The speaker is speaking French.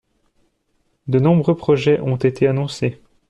De nombreux projets ont été annoncés.